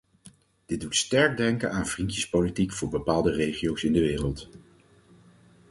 Dit doet sterk denken aan vriendjespolitiek voor bepaalde regio's in de wereld.